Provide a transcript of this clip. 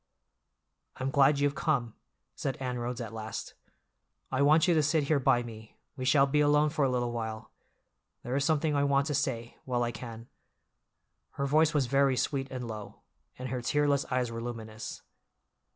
"I'm glad you've come," said Anne Rhodes at last. "I want you to sit here by me, we shall be alone for a little while. There is something I want to say—while I can." Her voice was very sweet and low, and her tearless eyes were luminous.